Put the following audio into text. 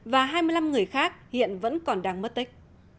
và hai mươi năm người khác hiện vẫn còn đang mất tích